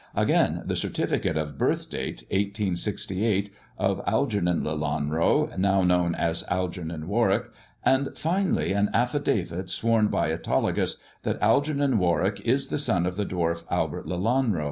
Again, the certificate of birth, date 1868, of Algernon Lelanro, now known as Algernon Warwick, and finally an affidavit sworn by Autolycus, that Algernon Warwick is the son of the dwarf, Albert Lelanro.